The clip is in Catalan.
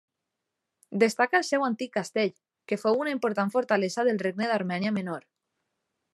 Destaca el seu antic castell, que fou una important fortalesa del Regne d'Armènia Menor.